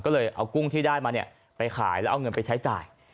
ก็เลยเอากุ้งที่ได้มาเนี่ยไปขายแล้วเอาเงินไปใช้จ่าย